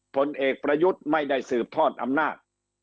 ผลเอกประยุทธ์ไม่ได้สืบทอดอำนาจ